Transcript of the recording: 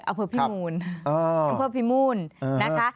อำเภอพิมูลอำเภอพิมูลนะคะ